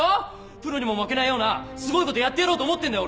プロにも負けないようなすごいことやってやろうと思ってんだよ